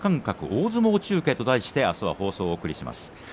大相撲中継」と題してあすの放送をお送りします。